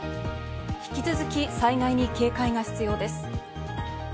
引き続き災害に警戒が必要です。